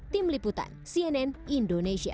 tim liputan cnn indonesia